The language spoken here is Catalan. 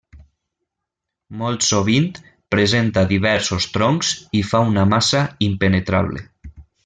Molt sovint presenta diversos troncs i fa una massa impenetrable.